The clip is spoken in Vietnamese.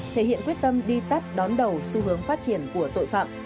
thể hiện quyết tâm đi tắt đón đầu xu hướng phát triển của tội phạm